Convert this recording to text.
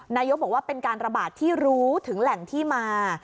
นายกบอกว่าเป็นการระบาดที่รู้ถึงแหล่งที่มา